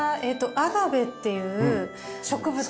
アガベっていう植物